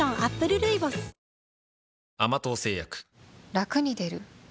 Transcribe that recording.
ラクに出る？